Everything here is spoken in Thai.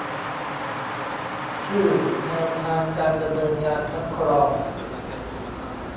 ชื่อ แนวทางการดำเนินงานคัดกรอง